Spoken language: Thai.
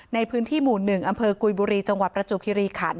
ในพื้นที่หมู่๑อำเภอกุยบุรีจังหวัดประจวบคิริขัน